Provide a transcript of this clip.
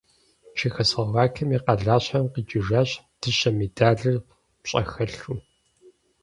Чехословакием и къалащхьэм къикӀыжащ дыщэ медалыр пщӀэхэлъу.